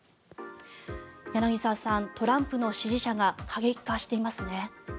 柳澤さん、トランプの支持者が過激化していますね。